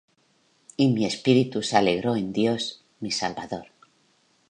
Y mi espíritu se alegró en Dios mi Salvador,